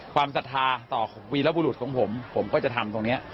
ความศรัทธาสตร์สมบูรณะบุรุษของผมผมก็จะทำตรงเนี้ย